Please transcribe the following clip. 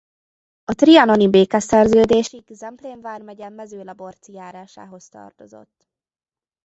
A trianoni békeszerződésig Zemplén vármegye Mezőlaborci járásához tartozott.